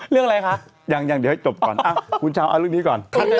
เรื่องอะไรนะคะ